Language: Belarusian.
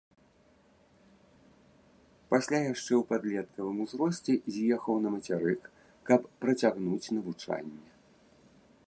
Пасля яшчэ ў падлеткавым узросце з'ехаў на мацярык, каб працягнуць навучанне.